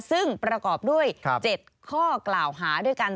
ซึ่งประกอบด้วย๗ข้อกล่าวหาด้วยกัน